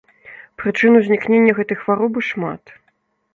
Прычын узнікнення гэтай хваробы шмат.